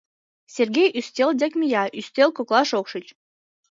Сергей ӱстел дек мия, ӱстел коклаш ок шич.